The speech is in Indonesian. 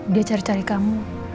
dia cari cari kamu